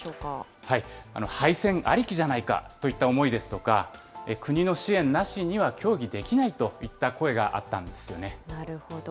廃線ありきじゃないかといった思いですとか、国の支援なしには協議できないといった声があっなるほど。